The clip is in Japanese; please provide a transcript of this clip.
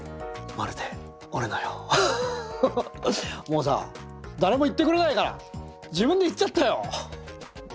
もうさ誰も言ってくれないから自分で言っちゃったよ！